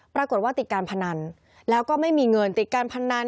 ปรากฏว่าติดการพนันแล้วก็ไม่มีเงินติดการพนัน